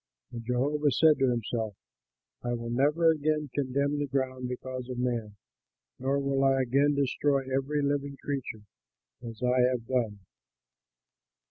And Jehovah said to himself, "I will never again condemn the ground because of man, nor will I again destroy every living creature, as I have done.